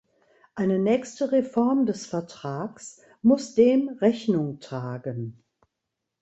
Eine nächste Reform des Vertrags muss dem Rechnung tragen.